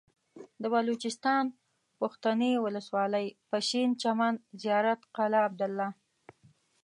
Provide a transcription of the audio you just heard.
د بلوچستان پښتنې ولسوالۍ پشين چمن زيارت قلعه عبدالله